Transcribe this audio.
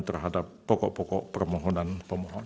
terhadap pokok pokok permohonan pemohon